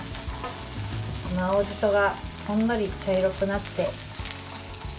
この青じそがほんのり茶色くなって。